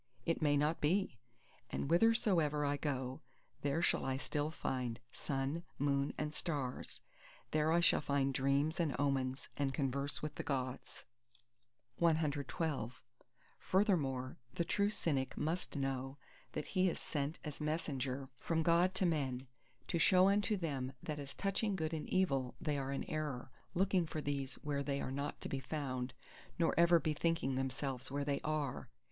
It may not be! And whithersoever I go, there shall I still find Sun, Moon, and Stars; there I shall find dreams, and omens, and converse with the Gods! CXIII Furthermore the true Cynic must know that he is sent as a Messenger from God to men, to show unto them that as touching good and evil they are in error; looking for these where they are not to be found, nor ever bethinking themselves where they are.